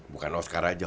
bukan oscar aja